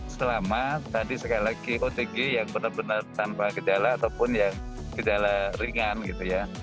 selama tadi sekali lagi otg yang benar benar tanpa gejala ataupun yang gejala ringan gitu ya